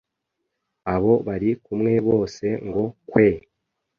Abo bari kumwe bose ngo kweee